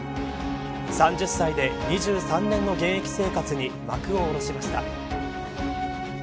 ３０歳で２３年の現役生活に幕を下ろしました。